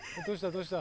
どうした？